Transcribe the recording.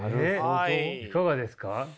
えっいかがですか？